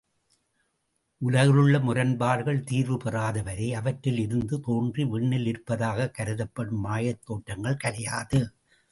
உலகிலுள்ள முரண்பாடுகள் தீர்வு பெறாதவரை, அவற்றில் இருந்து தோன்றி விண்ணில் இருப்பதாகக் கருதப்படும் மாயைத் தோற்றங்கள் கலையாது.